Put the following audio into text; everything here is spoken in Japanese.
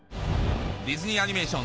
ディズニー・アニメーション